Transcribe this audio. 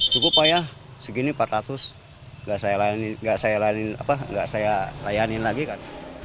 cukup pak ya segini empat ratus nggak saya layanin lagi kan